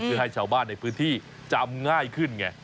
เพื่อให้ชาวบ้านในพื้นที่จำง่ายขึ้นไง